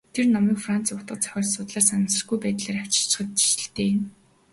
Тэр номыг Францын утга зохиол судлаач санамсаргүй байдлаар авчхаж л дээ.